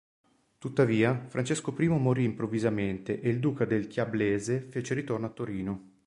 Tuttavia, Francesco I morì improvvisamente e il duca del Chiablese fece ritorno a Torino.